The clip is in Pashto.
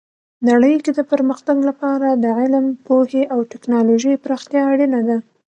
نړۍ کې د پرمختګ لپاره د علم، پوهې او ټیکنالوژۍ پراختیا اړینه ده.